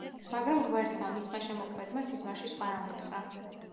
მაგრამ ღმერთმა, მისმა შემოქმედმა, სიზმარში სხვა რამ უთხრა.